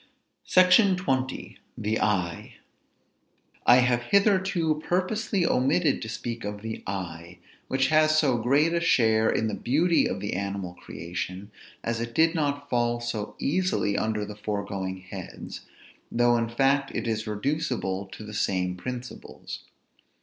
SECTION XX. THE EYE. I have hitherto purposely omitted to speak of the eye, which has so great a share in the beauty of the animal creation, as it did not fall so easily under the foregoing heads, though in fact it is reducible to the same principles.